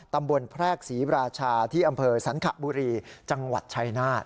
ตำบวนแพรกศรีราชาที่อำเภอสันขบุรีจังหวัดชัยนาธิ์